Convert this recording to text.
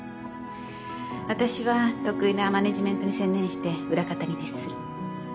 私は得意なマネジメントに専念して裏方に徹する。